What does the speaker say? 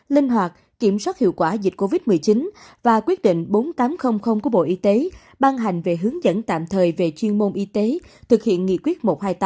linh hoạt kiểm soát hiệu quả dịch covid một mươi chín và quyết định bốn nghìn tám trăm linh của bộ y tế ban hành về hướng dẫn tạm thời về chuyên môn y tế thực hiện nghị quyết một trăm hai mươi tám